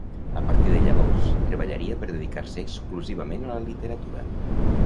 A partir de llavors, treballaria per dedicar-se exclusivament a la literatura.